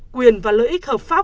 quyền và lợi ích hợp pháp